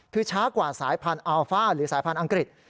คือช้ากว่าสายพันธุ์อัลฟ่าหรือสายพันธุ์อังกฤษ